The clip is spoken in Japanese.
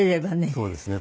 そうですね。